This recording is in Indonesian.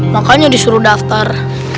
makanya disuruh daftar